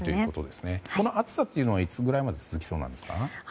この暑さはいつぐらいまで続きそうですか？